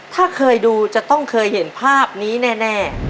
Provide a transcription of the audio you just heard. ถ้าเคยดูจะต้องเคยเห็นภาพนี้แน่